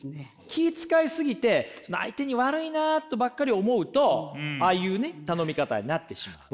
気ぃ遣い過ぎてその相手に悪いなとばっかり思うとああいうね頼み方になってしまう。